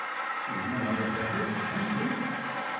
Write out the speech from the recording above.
There was no other devil to tempt him.